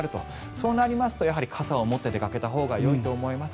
そうなりますと傘を持って出かけたほうがいいと思います。